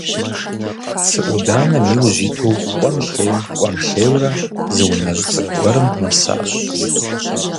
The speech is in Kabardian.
Цы Ӏуданэм и ужь иту кӀуэм-лъейм, кӀуэм-лъейурэ зы унэжь цӀыкӀу гуэрым нэсащ.